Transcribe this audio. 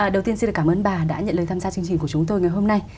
đầu tiên xin cảm ơn bà đã nhận lời tham gia chương trình của chúng tôi ngày hôm nay